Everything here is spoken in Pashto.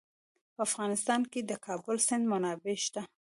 په افغانستان کې د د کابل سیند منابع شته.